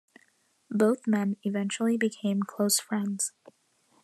Both men eventually became close friends.